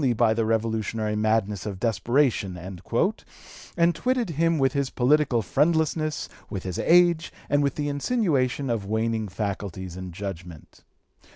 274) by the revolutionary madness of desperation," and twitted him with his political friendlessness, with his age, and with the insinuation of waning faculties and judgment.